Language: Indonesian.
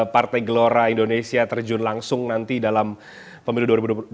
partai gelora indonesia terjun langsung nanti dalam pemilu dua ribu dua puluh